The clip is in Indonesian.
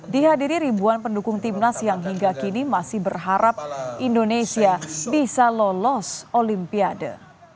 dihadiri ribuan pendukung timnas yang hingga kini masih berharap indonesia bisa lolos olimpiade